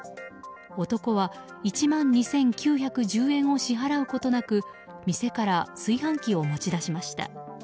男は１万２９１０円を支払うことなく店から炊飯器を持ち出しました。